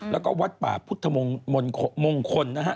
แล้วก็วัดป่าพุทธมงคลนะฮะ